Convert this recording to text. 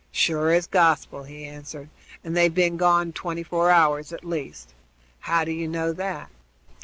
"Sure as gospel," he answered, "and they've been gone twenty four hours at least." "How do you know that?"